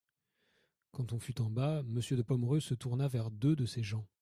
Quand on fut en bas, Monsieur de Pomereux se tourna vers deux de ses gens.